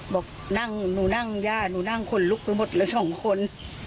บอกหนั้งหนูนั่งหญ้าหนูนั่งคนลุกไปหมดก็เสียงเดี๋ยว๒คน